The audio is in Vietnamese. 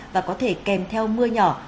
và có thể kèm theo mưa nhỏ